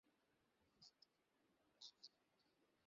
পরস্পর নমস্কারের পর অক্ষয় জিজ্ঞাসা করিলেন, পূর্ণবাবু এলেন না যে?